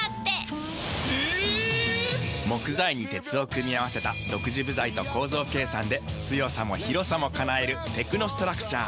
木材に鉄を組み合わせた独自部材と構造計算で強さも広さも叶えるテクノストラクチャー。